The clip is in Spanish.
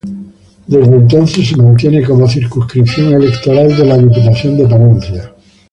Desde entonces se mantiene como circunscripción electoral de la Diputación de Palencia.